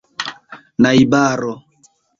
najbaro